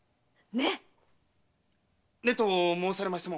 「ねっ」と申されましても。